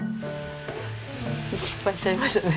失敗しちゃいましたね。